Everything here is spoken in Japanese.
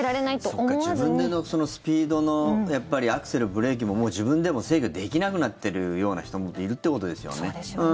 そうか、自分でスピードのやっぱりアクセル、ブレーキももう自分でも制御できなくなってるような人もそうですよね。